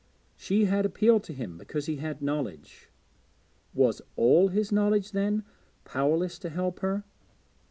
She had appealed to him because he had knowledge. Was all his knowledge, then, powerless to help her?